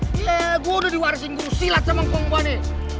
gue udah diwarisi ngurus silat sama kombo ini